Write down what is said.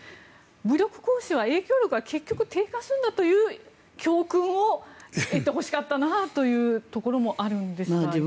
武力行使は影響力は結局低下するんだという教訓を得てほしかったなというところもあるんですがいかがでしょうか。